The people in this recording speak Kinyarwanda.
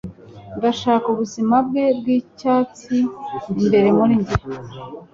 ndashaka ubuzima bwe bw'icyatsi. imbere muri njye